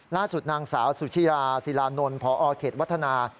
ล่าสุดนางสาวสุชิราศิลานนท์พอเขตวัฒนา